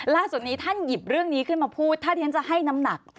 ล่าสุดนี้ท่านหยิบเรื่องนี้ขึ้นมาพูดถ้าที่ฉันจะให้น้ำหนัก